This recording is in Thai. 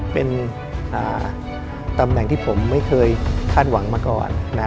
เป็นตำแหน่งที่ผมไม่เคยคาดหวังมาก่อน